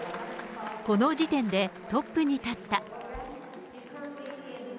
この時点で、トップに立った。